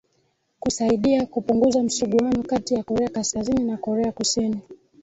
kusaidia kupunguza msuguano kati ya korea kaskazini na korea kusini